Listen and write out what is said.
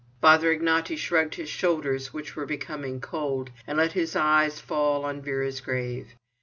Father Ignaty shrugged his shoulders, which were becoming cold, and let his eyes fall on Vera's grave.